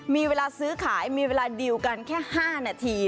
มีเวลาซื้อขายมีเวลาดีลกันแค่๕นาที